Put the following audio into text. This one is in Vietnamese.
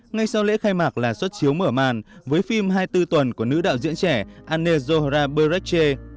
ngay sau lễ khai mạc là xuất chiếu mở màn với phim hai mươi bốn tuần của nữ đạo diễn trẻ anne zohra burekche